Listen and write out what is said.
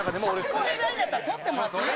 聞こえないんだったら取ってもらっていい？